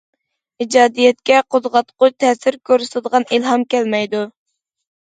ئىجادىيەتكە قوزغاتقۇچ تەسىر كۆرسىتىدىغان ئىلھام كەلمەيدۇ.